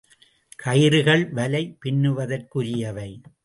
கயிறுகள் வலை பின்னுவதற்குரியவை.